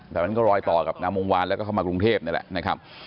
แต่มันก็รอยต่อกับนามวงวานแล้วก็เข้ามากรุงเทพนี่แหละนะครับ